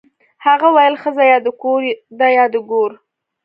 هغه ویل ښځه یا د کور ده یا د ګور